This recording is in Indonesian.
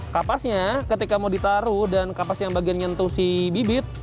kapasnya ketika mau ditaruh dan kapas yang bagian nyentuh si bibit